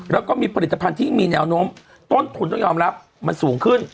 แล้วก็มีผลิตภัณฑ์ที่มีแนวโน้มต้นทุนต้องยอมรับมันสูงขึ้น